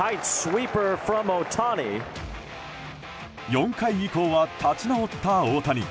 ４回以降は立ち直った大谷。